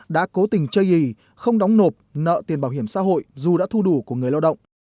đã cố tình chơi gì không đóng nộp nợ tiền bảo hiểm xã hội dù đã thu đủ của người lao động